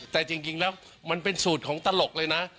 แต่จริงแล้วมันเป็นสูตรของตลกเลยนะ